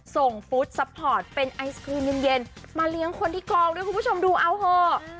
ฟุตซัพพอร์ตเป็นไอศครีมเย็นมาเลี้ยงคนที่กองด้วยคุณผู้ชมดูเอาเถอะ